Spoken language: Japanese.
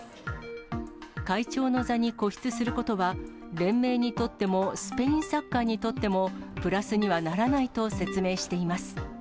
会長の座に固執することは、連盟にとってもスペインサッカーにとってもプラスにはならないと説明しています。